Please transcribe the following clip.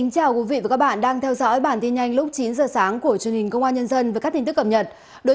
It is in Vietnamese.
cảm ơn các bạn đã theo dõi